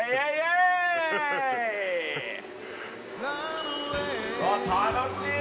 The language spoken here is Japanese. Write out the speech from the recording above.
あっ楽しい。